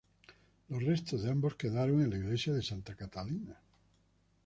Los restos de ambos quedaron en la Iglesia de Santa Catalina.